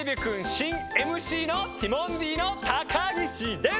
しんＭＣのティモンディの高岸です！